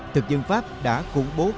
thực dân pháp đã củng bố cất liệt